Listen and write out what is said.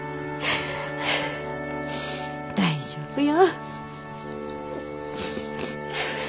大丈夫よ。